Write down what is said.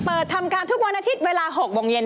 เปิดทำการทุกวันอาทิตย์เวลา๖บเย็น